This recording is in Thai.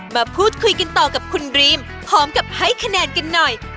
มาพูดคุยกันต่อกับคุณดรีมพร้อมกับให้คะแนนกันหน่อย